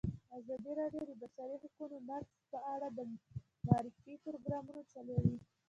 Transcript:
ازادي راډیو د د بشري حقونو نقض په اړه د معارفې پروګرامونه چلولي.